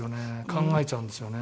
考えちゃうんですよね。